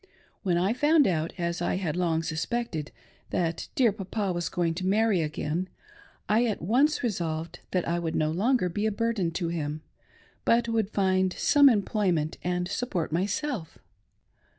When I found out, as I had long suspected, that dear Papa was going to marry again, I at once resolved that I would no longer be a burden to him, but would find some employment and support myself.